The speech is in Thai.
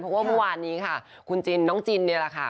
เพราะว่าเมื่อวานนี้ค่ะคุณจินน้องจินเนี่ยแหละค่ะ